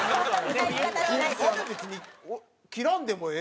あれ別に切らんでもええ。